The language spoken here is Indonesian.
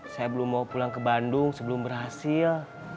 saya belum mau pulang ke bandung sebelum berhasil